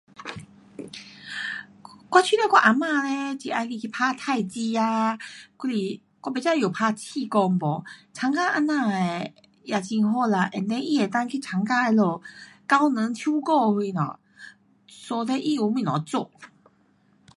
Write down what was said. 我觉得我啊妈嘞，会喜欢去打太极啊，还是我不知她有打气功没，参加这样的也很好啦，and then 她能够去参加他们教堂唱歌什么，so that 她有东西做。